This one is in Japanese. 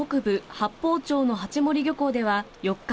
八峰町の八森漁港では４日